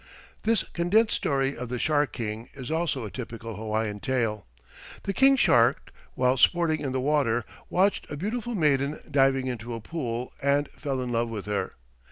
This condensed story of the Shark King is also a typical Hawaiian tale: The King Shark, while sporting in the water, watched a beautiful maiden diving into a pool, and fell in love with her.